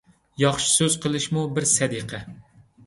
ياخشى سۆز قىلىشىمۇ بىر سەدىقە.